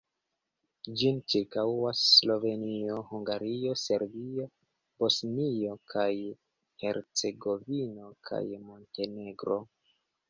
Ĝin ĉirkaŭas Slovenio, Hungario, Serbio, Bosnio kaj Hercegovino kaj Montenegro.